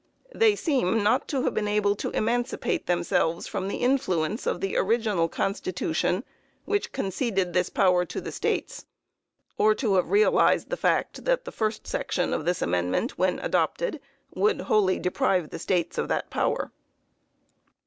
They seem not to have been able to emancipate themselves from the influence of the original constitution which conceded this power to the States, or to have realized the fact that the first section of the amendment, when adopted, would wholly deprive the States of that power.